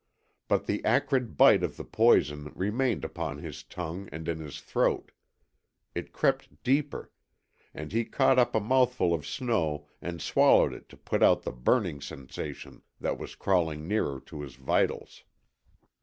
But the acrid bite of the poison remained upon his tongue and in his throat. It crept deeper and he caught up a mouthful of snow and swallowed it to put out the burning sensation that was crawling nearer to his vitals.